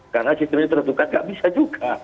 karena sistem tertutup kan tidak bisa juga